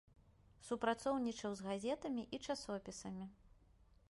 Супрацоўнічаў з газетамі і часопісамі.